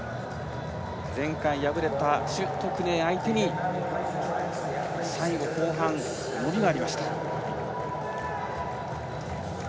前回敗れた朱徳寧相手に最後、後半、伸びがありました。